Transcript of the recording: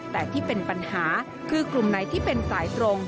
แต่ที่เป็นปัญหาคือกลุ่มไหนที่เป็นสายตรง